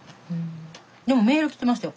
でもメール来てましたよ